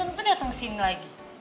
belum tentu dateng kesini lagi